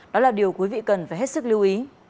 đó là điều quý vị cần phải hết sức lưu ý